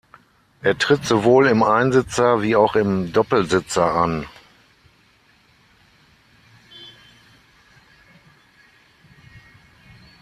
Er tritt sowohl im Einsitzer wie auch im Doppelsitzer an.